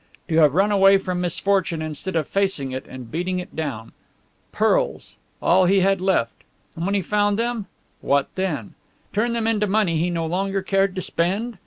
To have run away from misfortune instead of facing it and beating it down! Pearls! All he had left! And when he found them, what then? Turn them into money he no longer cared to spend?